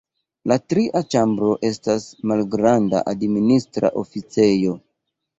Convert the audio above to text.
La tria ĉambro estas malgranda administra oficejo.